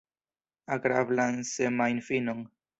Agrablan semajnfinon!